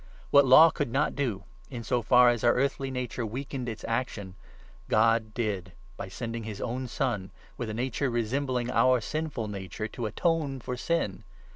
What Law could not do, 3 in so far as our earthly nature weakened its action, God did, by sending his own Son, with a nature resembling our sinful nature, to atone for sin.